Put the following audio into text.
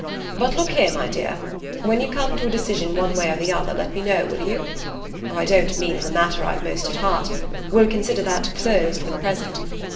But look here, my dear when you come to a decision one way or the other let me know, will you? Oh, I don't mean in the matter I've most at heart; we'll consider that closed for the present.